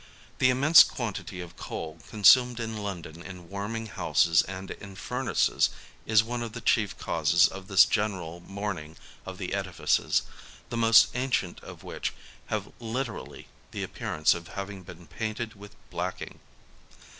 The immense quantity of coal consumed in London in warming houses and in furnaces is one of the chief causes of this general mourning of the edifices, the most ancient of which have literally the ap I* 48 LONDON pearance of having been painted with blacking.